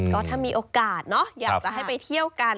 ก็ถ้ามีโอกาสเนอะอยากจะให้ไปเที่ยวกัน